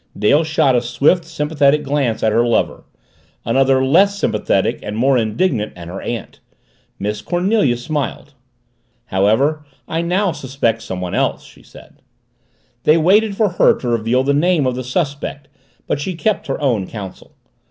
Dale shot a swift, sympathetic glance at her lover, another less sympathetic and more indignant at her aunt. Miss Cornelia smiled. "However, I now suspect somebody else," she said. They waited for her to reveal the name of the suspect but she kept her own counsel.